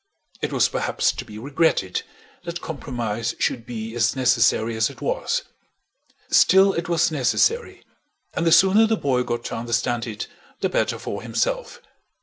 It was perhaps to be regretted that compromise should be as necessary as it was; still it was necessary, and the sooner the boy got to understand it the better for himself.